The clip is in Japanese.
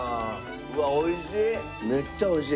うわおいしい。